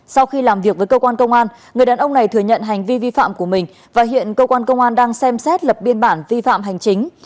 sau khi làm việc với cơ quan công an người đàn ông này thừa nhận hành vi vi phạm của mình và hiện cơ quan công an đang xem xét lập biên bản vi phạm hành chính